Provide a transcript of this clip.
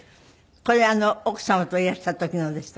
これ奥様といらした時のでしたけど。